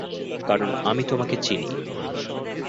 কারণ আমি তোমাকে চিনি।